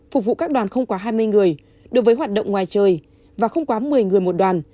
phục vụ các đoàn không quá hai mươi người đối với hoạt động ngoài trời và không quá một mươi người một đoàn